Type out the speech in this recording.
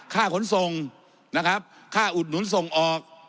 ค่าขนทรงค่าอุดหนุนทรงออก